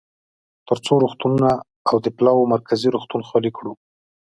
ترڅو روغتونونه او د پلاوا مرکزي روغتون خالي کړو.